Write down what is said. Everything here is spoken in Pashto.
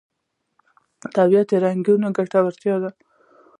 طبیعي رنګونه ګټور دي.